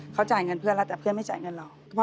เขาจ่ายเงินเพื่อนแล้วแต่เพื่อนไม่จ่ายเงินเรา